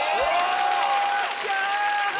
よっしゃ！